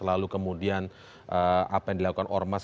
lalu kemudian apa yang dilakukan ormas